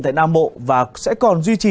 tại nam mộ và sẽ còn duy trì